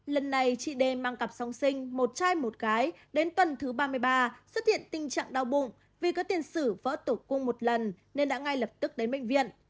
lần này chị d mang cặp song sinh một chai một cái đến tuần thứ ba mươi ba xuất hiện tình trạng đau bụng vì có tiền sử vỡ tử cung một lần nên đã ngay lập tức đến bệnh viện